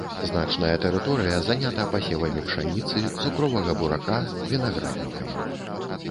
Значная тэрыторыя занята пасевамі пшаніцы, цукровага бурака, вінаграднікамі.